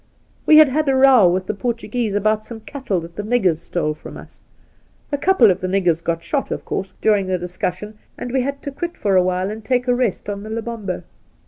We had had a row with the Portu guese about some cattle that the niggers stole from us. A couple of the niggers .got shot, of course, 14 The Outspan during the discussion, and we had to quit for a while and take a rest on the Lebombo.